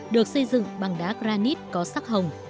được xây dựng bằng đá granite có sắc hồng